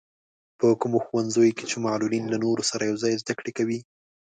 په کومو ښوونځیو کې چې معلولين له نورو سره يوځای زده کړې کوي.